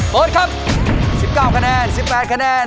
โต๊ะครับ๑๙คะแนน๑๘คะแนนและ๑๘คะแนน